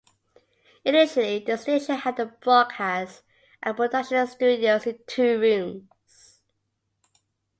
Initially the station had a broadcast and production studios in two rooms.